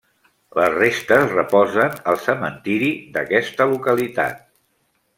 Les restes reposen al cementiri d’aquesta localitat.